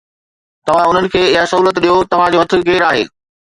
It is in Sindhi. توهان انهن کي اها سهولت ڏيو، توهان جو هٿ ڪير آهي؟